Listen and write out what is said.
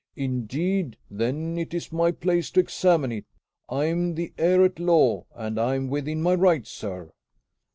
"Indeed, then it is my place to examine it. I am the heir at law, and I am within my rights, sir."